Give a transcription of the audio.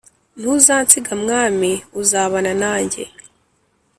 Ntuzansiga mwaami uzabana nanjye